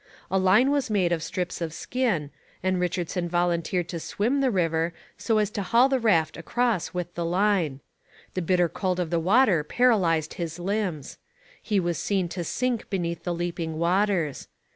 A line was made of strips of skin, and Richardson volunteered to swim the river so as to haul the raft across with the line. The bitter cold of the water paralysed his limbs. He was seen to sink beneath the leaping waters.